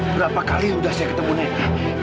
berapa kali udah saya ketemu nih